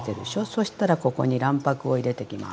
そしたらここに卵白を入れてきます。